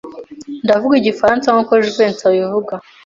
Ndavuga Igifaransa nkuko Jivency abivuga.